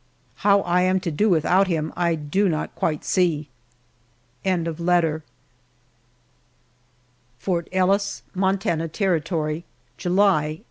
How I am to do without him I do not quite see. FORT ELLIS, MONTANA TERRITORY, July, 1884.